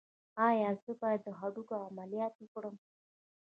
ایا زه باید د هډوکو عملیات وکړم؟